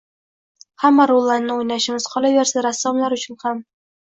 Hamma rollarni o‘ynashimiz, qolaversa, rassomlar uchun ham